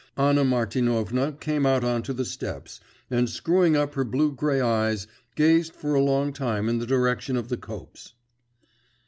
Anna Martinovna came out on to the steps, and screwing up her blue grey eyes, gazed for a long while in the direction of the copse.